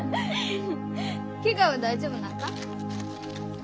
ケガは大丈夫なんか？